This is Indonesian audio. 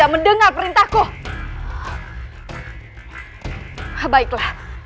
minta membawa maaf